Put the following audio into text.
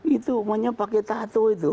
itu umpanya pakai tattoo itu